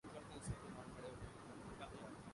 مولا A S F جوانوں کو خراج تحسین